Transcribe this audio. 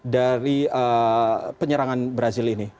dari penyerangan brazil ini